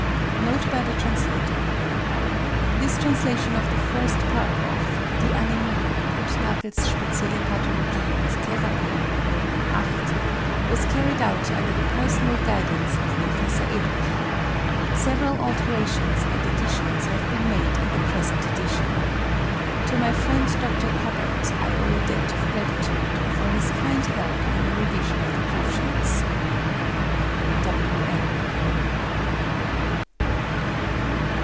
NOTE BY THE TRANSLATOR. This translation of the first part of Die Anæmie, Nothnagel's Specielle Pathologie und Therapie, vol. VIII. was carried out under the personal guidance of Professor Ehrlich. Several alterations and additions have been made in the present edition. To my friend Dr Cobbett I owe a debt of gratitude for his kind help in the revision of the proof sheets. W. M.